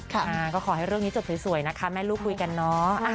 ก็ขอให้เรื่องนี้จบสวยนะคะแม่ลูกคุยกันเนาะ